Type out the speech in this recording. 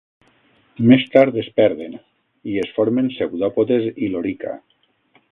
Més tard es perden, i es formen pseudòpodes i lorica.